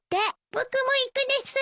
僕も行くです！